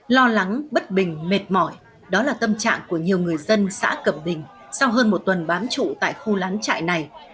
lo lắng bất bình mệt mỏi đó là tâm trạng của nhiều người dân xã cầm bình sau hơn một tuần bám trụ tại khu lán trại này